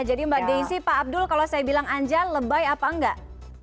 mbak desi pak abdul kalau saya bilang anja lebay apa enggak